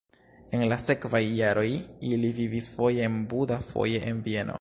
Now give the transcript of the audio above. En la sekvaj jaroj li vivis foje en Buda, foje en Vieno.